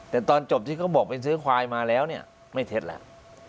แต่ตอนจบที่เขาบอกไปซื้อควายมาแล้วเนี่ยไม่เท็จแล้ว